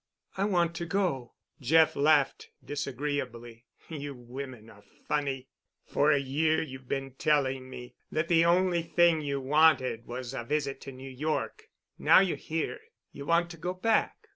"I want to go." Jeff laughed disagreeably. "You women are funny. For a year you've been telling me that the only thing you wanted was a visit to New York. Now you're here, you want to go back.